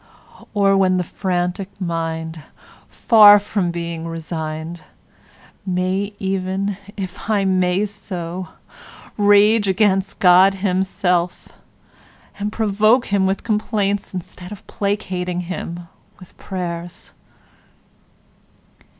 Or when the frantic mind, far from being resigned, may even (if I may so) rage against God himself, and provoke him with complaints instead of placating him with prayers?